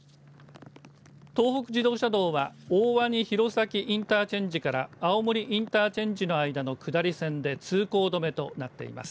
東北自動車道は大鰐弘前インターチェンジから青森インターチェンジの間の下り線で通行止めとなっています。